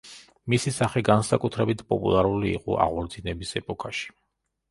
მისი სახე განსაკუთრებით პოპულარული იყო აღორძინების ეპოქაში.